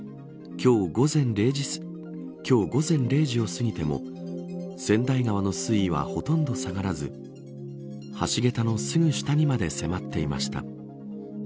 今日午前０時をすぎても千代川の水位はほとんど下がらず橋桁のすぐ下にまで迫っていました。